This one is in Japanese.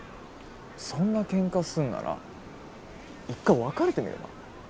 そんなケンカすんなら一回別れてみれば？